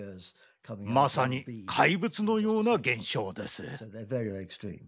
まさに怪物のような現象です。